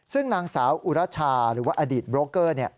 ซึ่งนางสาวอุรชาหรือว่าอดีตโบรกเกอร์